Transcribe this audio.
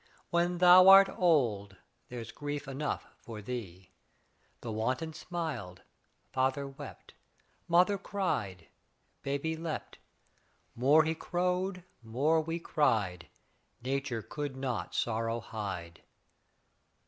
When thou art old, there's grief enough for thee. The vantcm smiled, faliber wept. Mother cried, baby leapt. More he crowed, more we cried. Nature could not sorrow hide.